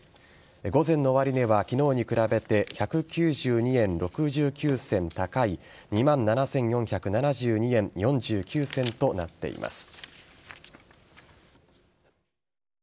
午前の終値は昨日に比べて１９２円６９銭高い２万７４７２円４９銭となっています。